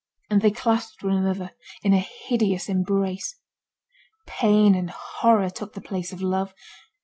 And they clasped one another in a hideous embrace. Pain and horror took the place of love.